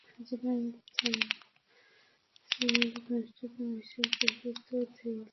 General Than সুয়ের ঘনিষ্ঠজন হিসেবে পরিচিত থেইন সেইন প্রেসিডেন্টের দায়িত্ব নেন।